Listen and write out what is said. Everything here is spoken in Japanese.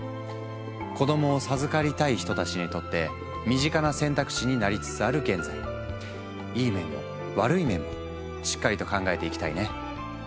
子どもを授かりたい人たちにとって身近な選択肢になりつつある現在いい面も悪い面もしっかりと考えていきたいね。